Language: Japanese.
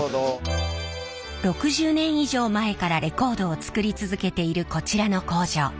６０年以上前からレコードを作り続けているこちらの工場。